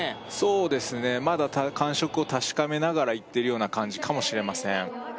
そうですねまだ感触を確かめながらいってるような感じかもしれません